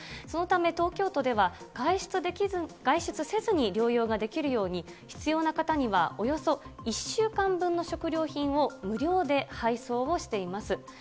そのため、東京都では外出せずに療養ができるように、必要な方にはおよそ１週間分の食料品を無料で配送をしています。